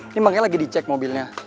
ini makanya lagi dicek mobilnya